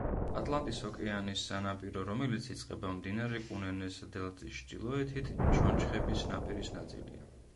ატლანტის ოკეანის სანაპირო, რომელიც იწყება მდინარე კუნენეს დელტის ჩრდილოეთით, ჩონჩხების ნაპირის ნაწილია.